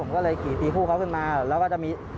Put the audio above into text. ผมก็เลยขี่ตีคู่เขาขึ้นมาแล้วก็จะมี